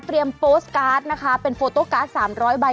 โปสตการ์ดนะคะเป็นโฟโต้การ์ด๓๐๐ใบ